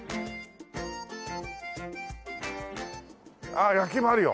あっ焼き芋あるよ。